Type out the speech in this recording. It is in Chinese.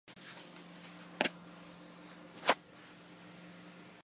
羚角密刺蟹为蜘蛛蟹科密刺蟹属的动物。